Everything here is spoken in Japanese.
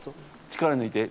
力抜いて。